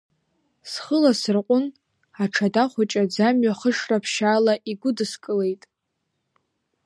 Схы ласырҟәын, аҽада хәыҷы аӡамҩа хышра ԥшьаала игәыдскылеит.